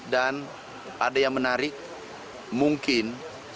dan ada yang menarik mungkin